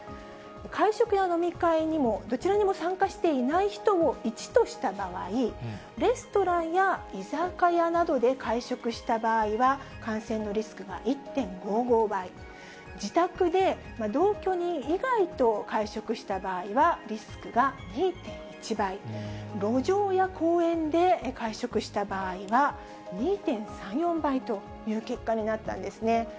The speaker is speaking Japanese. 会食や飲み会にも、どちらにも参加していない人を１とした場合、レストランや居酒屋などで会食した場合は、感染のリスクが１．５５倍、自宅で同居人以外と会食した場合は、リスクが２．１倍、路上や公園で会食した場合は２．３４倍という結果になったんですね。